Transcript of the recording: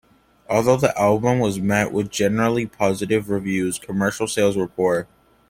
Although the album was met with generally positive reviews, commercial sales were poor.